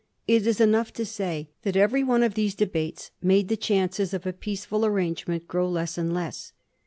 It is enough to say that every one of these debates made the chances of a peaceful arrange ment grow less and less.